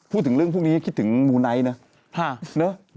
พูดถึงเรื่องพวกนี้คิดถึงเปล่าหรือนั้นนะครับ